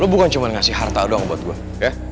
lo bukan cuma ngasih harta doang buat gue ya